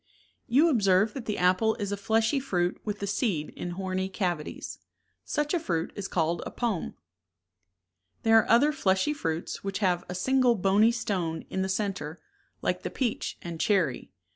You observed that the apple is a fleshy fruit with the seed in horny cavities. Such a fruit is called a pome. 33 kl There are other fleshy fruits which have' a single bony stone in the center, like the peach and cherry.